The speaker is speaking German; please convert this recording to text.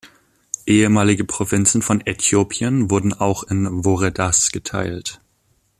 Ehemalige Provinzen von Äthiopien wurden auch in Woredas geteilt.